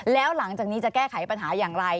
แล้วหลังจากนี้จะแก้ไขปัญหาอย่างไร